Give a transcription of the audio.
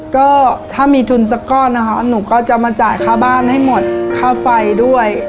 ก็ถ้ามีทุนสักก้อนนะคะหนูก็จะมาจ่ายค่าบ้านให้หมดค่าไฟด้วย